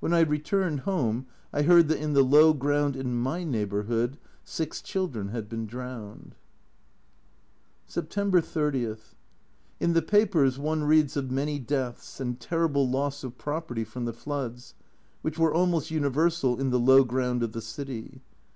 When I returned home I heard that in the low ground in my neighbour hood six children had been drowned. September 30. In the papers one reads of many deaths and terrible loss of property from the floods, which were almost universal in the low ground of the city.